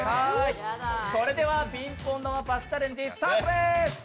それでは、ピンポン玉パスチャレンジスタートです！